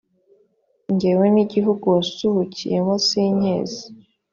jyewe n’igihugu wasuhukiyemo sinkizi